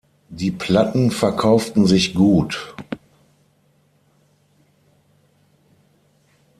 Die Platten verkauften sich gut.